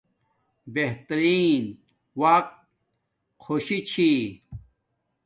بہترین وقت خوشی چھی